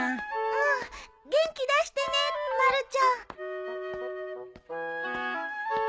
うん元気出してねまるちゃん。